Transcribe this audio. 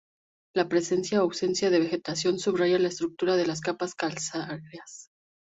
La presencia o ausencia de vegetación subraya la estructura de las capas calcáreas.